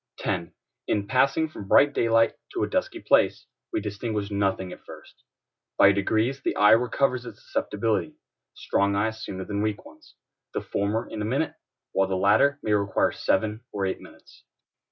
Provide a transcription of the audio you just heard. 10. In passing from bright daylight to a dusky place we distinguish nothing at first: by degrees the eye recovers its susceptibility; strong eyes sooner than weak ones; the former in a minute, while the latter may require seven or eight minutes.